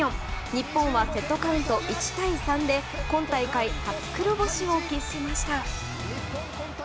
日本はセットカウント１対３で今大会、初黒星を喫しました。